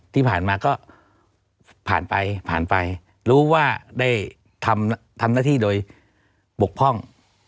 ที่ผ่านมาก็ผ่านไปผ่านไปรู้ว่าได้ทำหน้าที่โดยบกพร่อง